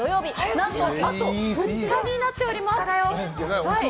何とあと２日になっております。